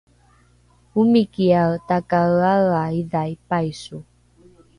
omikiae takaeaea idhai paiso